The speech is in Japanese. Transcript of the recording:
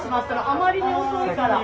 あまりに遅いから。